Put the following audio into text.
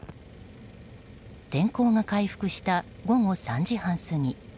天候が回復した午後３時半過ぎ。